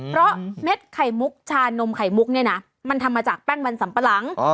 เพราะเม็ดไข่มุกชานมไข่มุกเนี่ยนะมันทำมาจากแป้งมันสัมปะหลัง